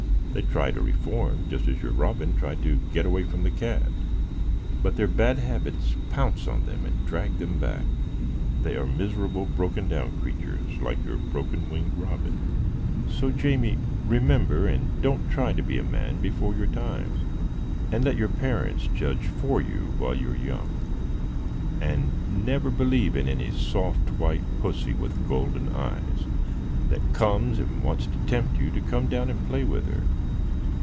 They try to reform, just as your robin tried to get away from the cat; but their bad habits pounce on them and drag them back. And so, when the time comes that they want to begin life, they are miserable, broken down creatures, like your broken winged robin. "So, Jamie, remember, and don't try to be a man before your time, and let your parents judge for you while you are young; and never believe in any soft white Pussy, with golden eyes, that comes and wants to tempt you to come down and play with her.